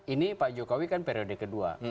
ini pak jokowi kan periode kedua